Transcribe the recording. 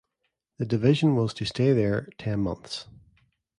The division was to stay there ten months.